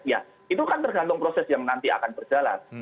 ya itu kan tergantung proses yang nanti akan berjalan